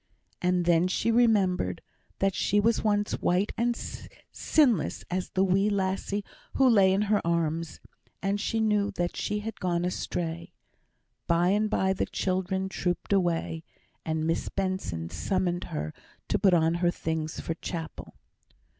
And then she remembered, that she was once white and sinless as the wee lassie who lay in her arms; and she knew that she had gone astray. By and by the children trooped away, and Miss Benson summoned her to put on her things for chapel.